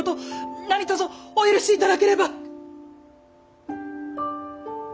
何とぞお許し頂ければ！